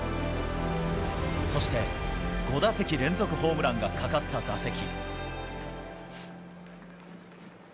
そして、５打席連続ホームランがかかった打席。